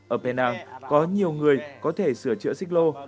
ở penang có nhiều người có thể sửa chữa xích lô